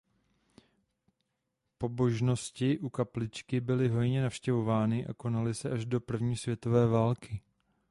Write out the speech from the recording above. Pobožnosti u kapličky byly hojně navštěvovány a konaly se až do první světové války.